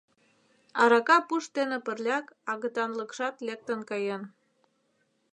Арака пуш дене пырляк агытанлыкшат лектын каен.